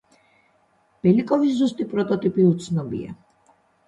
ბელიკოვის ზუსტი პროტოტიპი უცნობია.